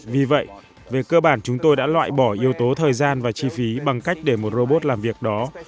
vì vậy về cơ bản chúng tôi đã loại bỏ yếu tố thời gian và chi phí bằng cách để một robot làm việc đó